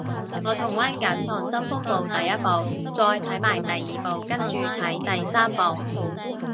我重溫緊溏心風暴第一部，再睇埋第二部跟住睇第三部